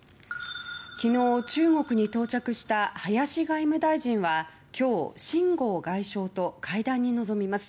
昨日、中国に到着した林外務大臣は今日シン・ゴウ外相と会談に臨みます。